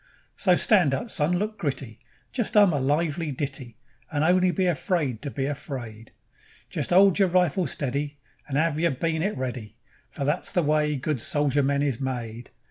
So stand up, son; look gritty, And just 'um a lively ditty, And only be afraid to be afraid; Just 'old yer rifle steady, And 'ave yer bay'nit ready, For that's the way good soldier men is made.